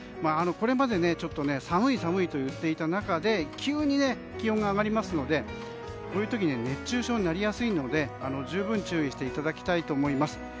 これまで寒い、寒いと言っていた中で急に気温が上がりますのでこういう時は熱中症になりやすいので十分注意していただきたいと思います。